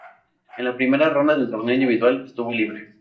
En la primera ronda del torneo individual, estuvo libre.